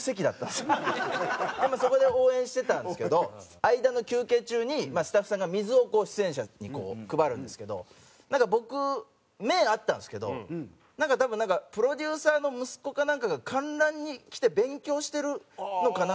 でもそこで応援してたんですけど間の休憩中にスタッフさんが水をこう出演者に配るんですけどなんか僕目合ったんですけどなんか多分プロデューサーの息子かなんかが観覧に来て勉強してるのかなって。